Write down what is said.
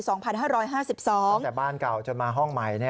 ตั้งแต่บ้านเก่าจนมาห้องใหม่